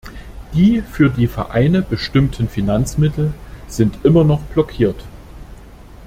Die für die Vereine bestimmten Finanzmittel sind immer noch blockiert.